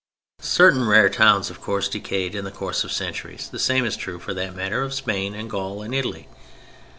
Certain rare towns, of course, decayed in the course of centuries: the same is true, for that matter, of Spain and Gaul and Italy.